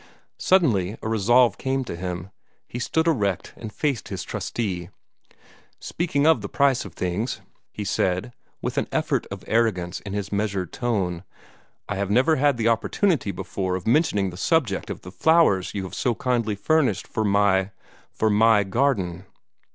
Suddenly a resolve came to him. He stood erect, and faced his trustee. "Speaking of the price of things," he said, with an effort of arrogance in his measured tone, "I have never had an opportunity before of mentioning the subject of the flowers you have so kindly furnished for my for MY garden."